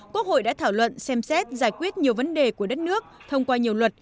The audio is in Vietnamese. quốc hội đã thảo luận xem xét giải quyết nhiều vấn đề của đất nước thông qua nhiều luật